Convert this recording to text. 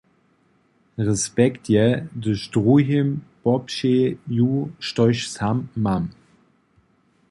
„Respekt je, hdyž druhim popřeju, štož sam mam.“